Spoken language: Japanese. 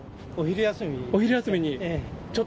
お昼休みに？